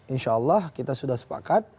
insya allah kita sudah sepakat